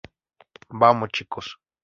Vamos, chicos".